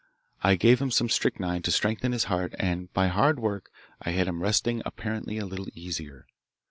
I gave him some strychnine to strengthen his heart and by hard work I had him resting apparently a little easier.